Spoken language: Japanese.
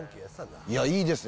いや、いいですね。